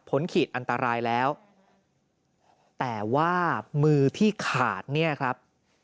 ขีดอันตรายแล้วแต่ว่ามือที่ขาดเนี่ยครับ